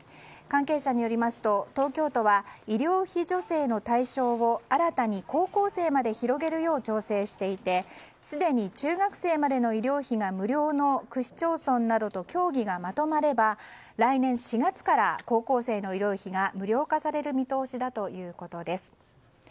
関係者によりますと医療費助成の対象を新たに高校生まで広げるよう調整していてすでに中学生までの医療費が無料の市区町村との協議がまとまれば来年４月から高校生の医療費が無料化される見通しだということです。